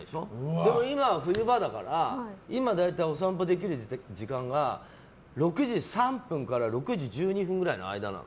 でも今は冬場だから大体お散歩できる時間帯が６時３分から６時１２分くらいの間なの。